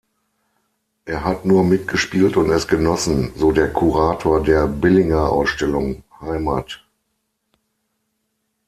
Er hat nur mitgespielt und es genossen", so der Kurator der Billinger-Ausstellung "Heimat.